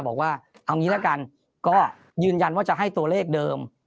บอกว่าเอางี้ละกันก็ยืนยันว่าจะให้ตัวเลขเดิม